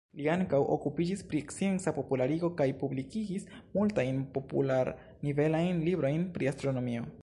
Li ankaŭ okupiĝis pri scienca popularigo kaj publikigis multajn popular-nivelajn librojn pri astronomio.